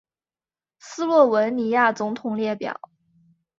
斯洛文尼亚总统列表